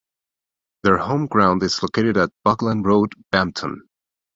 Their home ground is located at Buckland Road, Bampton.